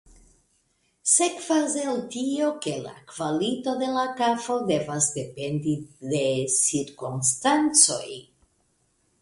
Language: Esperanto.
Sekvas el tio, ke la kvalito de la kafo devas dependi de cirkonstancoj.